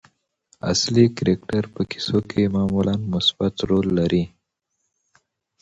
اصلي کرکټر په کیسو کښي معمولآ مثبت رول لري.